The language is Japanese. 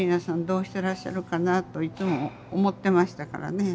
どうしてらっしゃるかなといつも思ってましたからね。